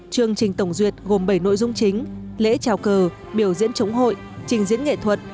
chương trình tổng duyệt gồm bảy nội dung chính lễ trào cờ biểu diễn chống hội trình diễn nghệ thuật